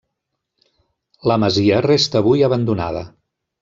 La masia resta avui abandonada.